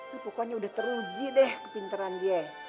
tuh pokoknya udah teruji deh kepinteran dia